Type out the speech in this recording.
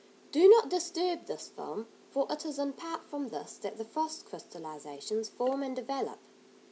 Do not disturb this film, for it is in part from this that the frost crystallisations form and develop.